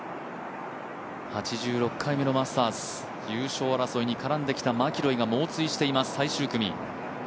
８６回目のマスターズ優勝争いに絡んできたマキロイが猛追しています最終組。